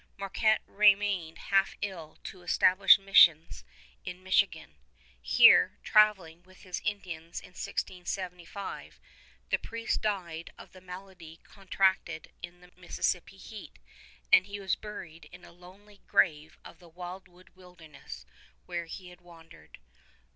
Marquette remained half ill to establish missions in Michigan. Here, traveling with his Indians in 1675, the priest died of the malady contracted in the Mississippi heat, and was buried in a lonely grave of the wildwood wilderness where he had wandered.